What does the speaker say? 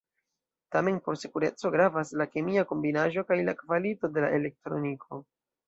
Tamen por sekureco gravas la kemia kombinaĵo kaj la kvalito de la elektroniko.